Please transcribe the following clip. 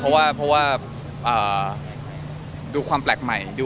เพราะว่าดูความแปลกใหม่